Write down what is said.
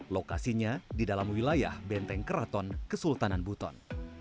lokasinya di dalam wilayah benteng keraton kesultanan buton